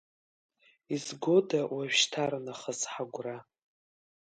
Изгода уажәшьҭарнахыс ҳагәра?